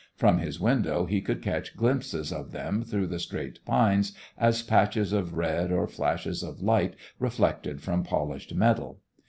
From his window he could catch glimpses of them through the straight pines as patches of red, or flashes of light reflected from polished metal.